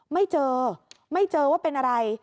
ไม่เจอไม่เจอว่าเป็นอะไร